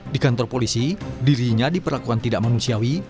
di kantor polisi dirinya diperlakukan tidak manusiawi